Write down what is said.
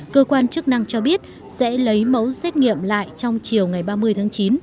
cơ quan chức năng cho biết sẽ lấy mẫu xét nghiệm lại trong chiều ngày ba mươi tháng chín